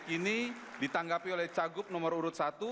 ini ditanggapi oleh cagup nomor urut satu